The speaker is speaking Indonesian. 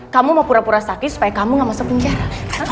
kamu mau pura pura sakit supaya kamu gak masuk penjara